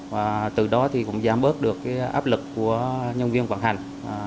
và từ đó thì cũng giảm bớt được cái áp lực của nhân viên vận hành